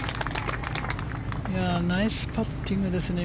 ナイスパッティングですね